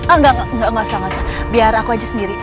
engga engga gak masalah biar aku aja sendiri